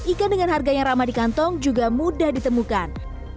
ikan dengan harga yang ramah di kantong juga mudah ditemukan